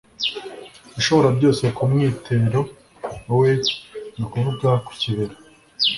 Ishoborabyose Ku mwitero we ni ukuvuga ku kibero